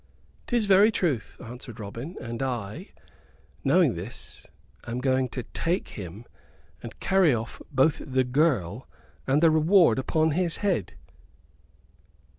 "'Tis very truth," answered Robin. "And I, knowing this, am going to take him, and carry off both the girl and the reward upon his head."